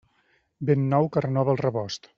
Vent nou que renova el rebost.